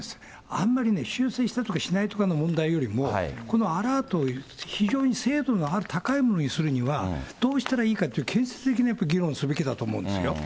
あんまりね、修正したとかしないとかの問題よりも、このアラート、非常に精度が高いものにするには、どうしたらいいかっていう、建設的な議論をすべきだと思うんですよ。